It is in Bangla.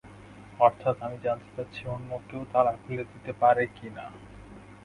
অর্থাৎ আমি জানতে চাচ্ছি, অন্য কেউ তালা খুলে দিতে পারে কি না।